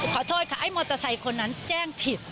ขอโทษค่ะไอ้มอเตอร์ไซค์คนนั้นแจ้งผิด